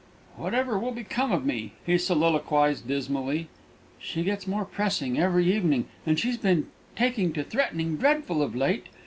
"Whatever will become of me?" he soliloquized dismally. "She gets more pressing every evening, and she's been taking to threatening dreadful of late....